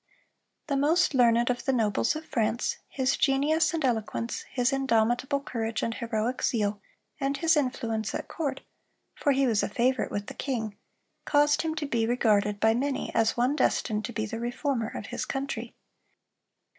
"The most learned of the nobles of France," his genius and eloquence, his indomitable courage and heroic zeal, and his influence at court,—for he was a favorite with the king,—caused him to be regarded by many as one destined to be the Reformer of his country.